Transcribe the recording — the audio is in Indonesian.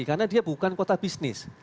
karena dia bukan kota bisnis